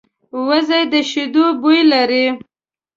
وزې د شیدو بوی لري